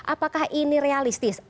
apakah ini realistis